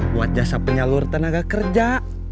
buat jasa penyalur tenaga kerja